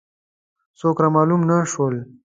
څوک را معلوم نه شول.